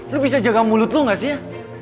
lo bisa jaga mulut lu gak sih ya